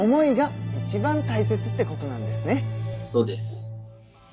そうです。